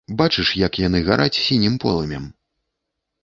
Бачыш, як яны гараць сінім полымем?